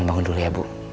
bangun dulu ya bu